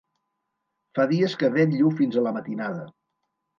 Fa dies que vetllo fins a la matinada.